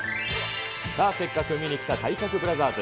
さあ、せっかく海に来た体格ブラザーズ。